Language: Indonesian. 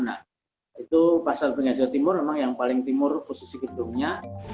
nah itu pasar penjajah timur memang yang paling timur posisi gedungnya